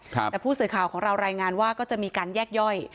แต่ผู้สื่อข่าวของเรารายงานว่าก็จะมีการแยกย่อย